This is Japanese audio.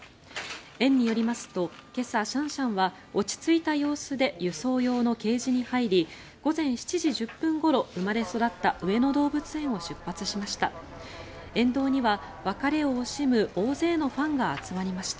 園によりますと今朝、シャンシャンは落ち着いた様子で輸送用のケージに入り午前７時１０分ごろ生まれ育った上野動物園を出発しました。